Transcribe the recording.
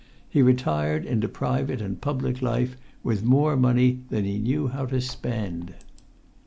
He retired into private and public life with more money than he knew how to spend.